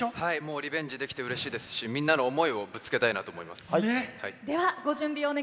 リベンジできてうれしいですし、みんなの思いをぶつけたいと思います。